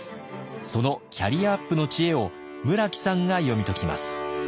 そのキャリアアップの知恵を村木さんが読み解きます。